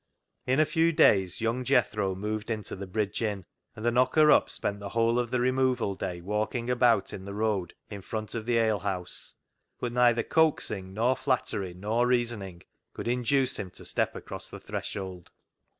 In a few days young Jethro moved into the Bridge Inn, and the knocker up spent the whole of the removal day walking about in the road in front of the alehouse, but neither coaxing, nor flattery, nor reasoning, could induce him to step across the threshold.